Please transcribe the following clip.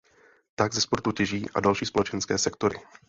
Tak ze sportu těží i další společenské sektory.